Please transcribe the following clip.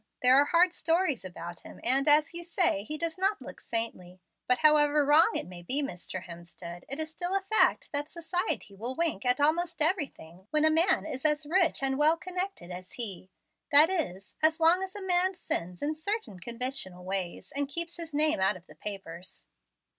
There are hard stories about him, and, as you say, he does not look saintly; but however wrong it may be, Mr. Hemstead, it is still a fact that society will wink at almost everything when a man is as rich and well connected as he, that is, as long as a man sins in certain conventional ways and keeps his name out of the papers."